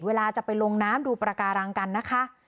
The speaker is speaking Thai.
เวลาจะไปลงน้ำดูประการังกันนะคะ